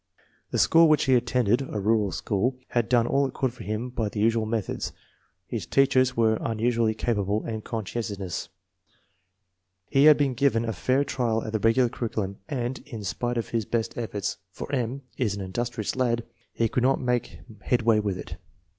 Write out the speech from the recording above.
The school which he attended (a rural school) had done all it could for him by the usual methods. His teachers were unusually capable and conscientious. He had been given a fair trial at the regular curriculum and, in spite of his best efforts, for M. is an industrious lad, he could not make headway with it.